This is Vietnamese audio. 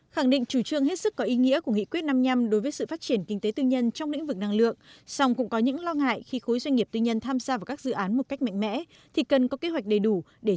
khẳng định chủ trương hết sức có ý nghĩa của nghị quyết năm mươi năm đối với sự phát triển kinh tế tư nhân trong lĩnh vực năng lượng song cũng có những lo ngại khi khối doanh nghiệp tư nhân tham gia vào các dự án một cách mạnh mẽ